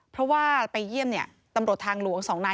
เพราะว่าไปเยี่ยมตำรวจทางหลวง๒นาย